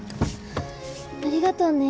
ありがとね。